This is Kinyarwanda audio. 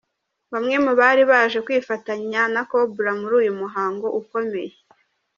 Bamwe mu bari baje kwifatanya na Cobra muri uyu muhango ukomeye.